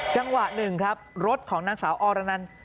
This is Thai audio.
จังหวะหนึ่งครับรถของนางสาวอรนัน